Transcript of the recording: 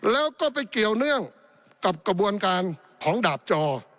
แล้วก็ไปเกี่ยวเนื่องกับกระบวนการของดาบจอ